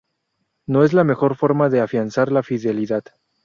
no es la mejor forma de afianzar la fidelidad